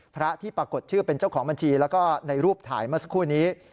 พระที่ปรากฏชื่อเป็นเจ้าของบัญชีแล้วก็ในรูปถ่ายเมื่อสักครู่นี้